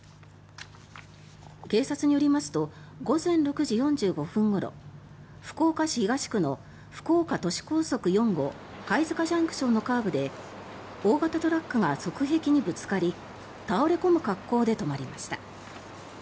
警察によりますと午前６時４５分ごろ福岡市東区の福岡都市高速４号貝塚ＪＣＴのカーブで大型トラックが側壁にぶつかり倒れ込む格好で止まりました。